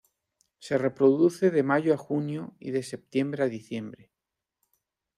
Se reproduce de mayo a junio y de septiembre a diciembre.